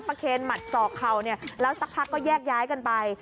เคนหมัดศอกเข่าเนี่ยแล้วสักพักก็แยกย้ายกันไป